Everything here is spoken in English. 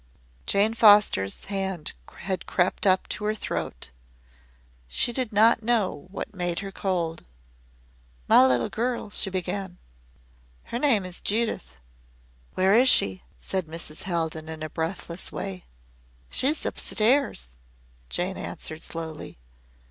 Jane Foster's hand had crept up to her throat. She did not know what made her cold. "My little girl " she began, "her name is Judith " "Where is she?" said Mrs. Haldon in a breathless way. "She is up stairs," Jane answered slowly.